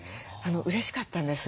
うれしかったんです。